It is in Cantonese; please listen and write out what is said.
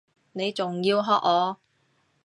你仲要喝我！